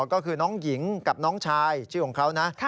ก็คือน้องหญิงกับน้องชายชื่อของเขานะ